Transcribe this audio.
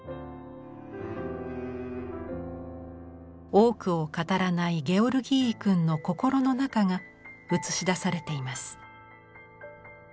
多くを語らないゲオルギーイ君の心の中が映し出されています。